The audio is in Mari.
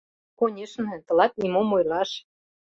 Конешне, тылат нимом ойлаш.